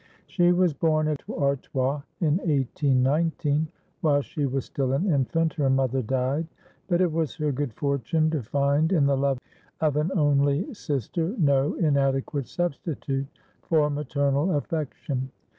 She was born at Artois, in 1819. While she was still an infant, her mother died; but it was her good fortune to find in the love of an only sister no inadequate substitute for maternal affection.